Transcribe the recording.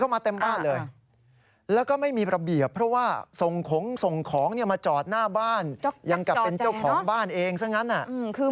มันเลื้อยไม่ใช่หนู